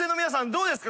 どうですか？